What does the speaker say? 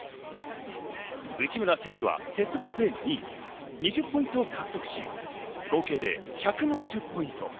内村選手は鉄棒で２位、２０ポイントを獲得し、合計で１７０ポイント。